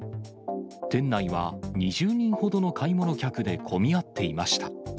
店内は２０人ほどの買い物客で混み合っていました。